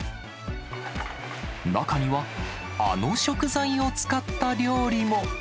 中にはあの食材を使った料理も。